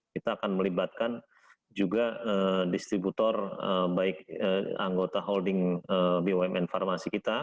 kita akan melibatkan juga distributor baik anggota holding bumn farmasi kita